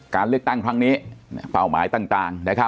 การเลือกตั้งครั้งนี้เป้าหมายต่าง